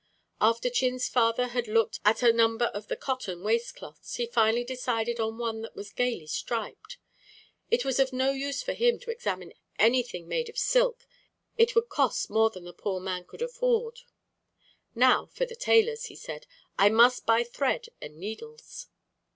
After Chin's father had looked at a number of the cotton waist cloths, he finally decided on one that was gaily striped. It was of no use for him to examine anything made of silk. It would cost more than the poor man could afford. "Now, for the tailor's," he said. "I must buy thread and needles."